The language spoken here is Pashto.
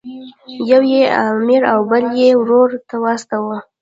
یو یې امیر او بل یې ورور ته واستاوه.